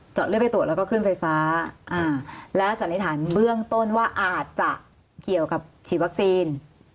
เลือดไปตรวจแล้วก็ขึ้นไฟฟ้าและสันนิษฐานเบื้องต้นว่าอาจจะเกี่ยวกับฉีดวัคซีน